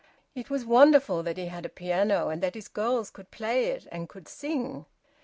It was wonderful that he had a piano, and that his girls could play it and could sing.